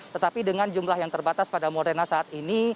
tetapi dengan jumlah yang terbatas pada moderna saat ini